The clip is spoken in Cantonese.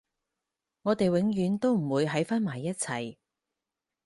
我哋永遠都唔會喺返埋一齊